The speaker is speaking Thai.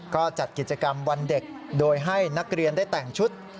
ก็จัดกิจกรรมวันเด็กโดยให้นักเรียนได้แต่งชุด